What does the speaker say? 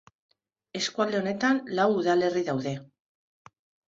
Eskualde honetan lau udalerri daude.